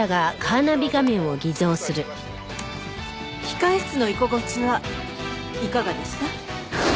控室の居心地はいかがでした？